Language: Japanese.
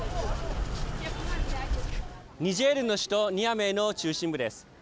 ニジェールの首都ニアメの中心部です。